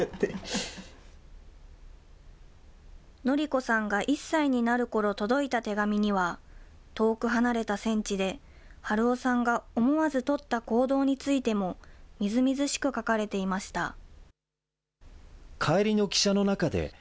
紀子さんが１歳になるころ届いた手紙には、遠く離れた戦地で、春雄さんが思わず取った行動についても、みずみずしく書かれていました。